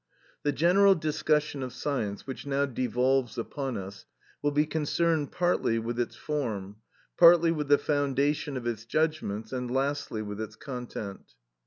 The general discussion of science which now devolves upon us, will be concerned partly with its form, partly with the foundation of its judgments, and lastly with its content.